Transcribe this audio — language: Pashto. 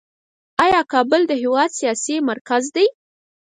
آیا کابل د هیواد سیاسي مرکز دی؟